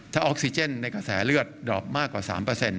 ถ้าออกซิเจนในกระแสเลือดดอกมากกว่า๓